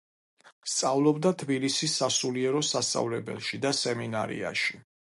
სწავლობდა თბილისის სასულიერო სასწავლებელში და სემინარიაში.